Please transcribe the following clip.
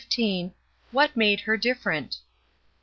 "WHAT MADE HER DIFFERENT?"